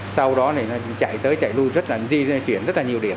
sau đó thì nó chạy tới chạy lui rất là di chuyển rất là nhiều điểm